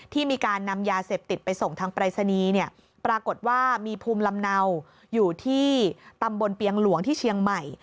มีการนำยาเสพติดไปส่งทางปรายศนีย์ปรากฏว่ามีภูมิลำเนาอยู่ที่ตำบลเปียงหลวงที่เชียงใหม่